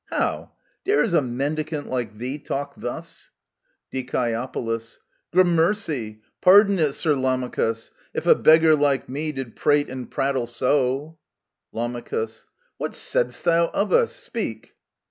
How ? Dares a mendicant like thee talk thus ? Die. Grammercy ! Pardon it, Sir Lamachus ! If a beggar like me did prate and prattle so I Lam. What saidst thou of us? Speak!